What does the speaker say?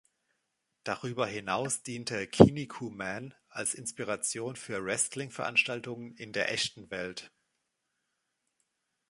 Darüber hinaus diente „Kinnikuman“ als Inspiration für Wrestling-Veranstaltungen in der echten Welt.